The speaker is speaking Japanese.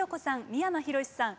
三山ひろしさん